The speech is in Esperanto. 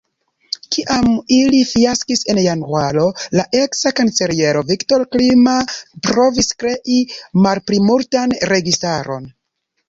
Kiam ili fiaskis en januaro, la eksa kanceliero Viktor Klima provis krei malplimultan registaron.